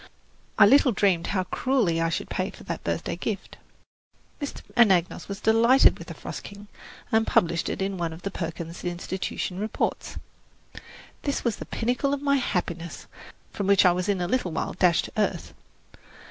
I little dreamed how cruelly I should pay for that birthday gift. Mr. Anagnos was delighted with "The Frost King," and published it in one of the Perkins Institution reports. This was the pinnacle of my happiness, from which I was in a little while dashed to earth.